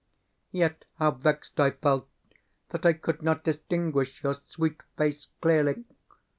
Yet how vexed I felt that I could not distinguish your sweet face clearly!